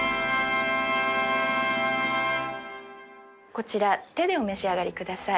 こちら手でお召し上がりください。